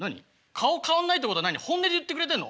顔変わんないってことは本音で言ってくれてんの？